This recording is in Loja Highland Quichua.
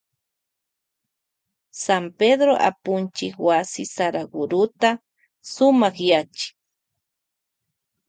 San Pedró apunchik wasi Saragurota sumakyachin.